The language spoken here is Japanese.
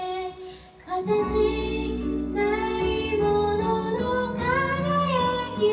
「形ないものの輝きを」